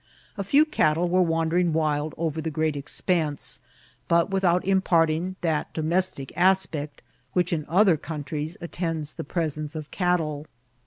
A few cattle were wandering wild over the great expanse, but without imparting that domestic aspect which in other countries attends the presence of cattle.